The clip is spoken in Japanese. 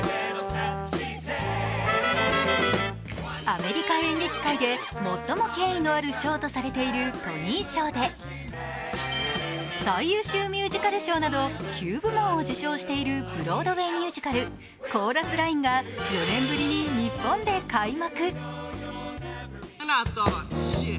アメリカ演劇界で最も権威のある賞とされているトニー賞で、最優秀ミュージカル賞など９部門を受賞しているブロードウェイミュージカル「コーラスライン」が４年ぶりに日本で開幕。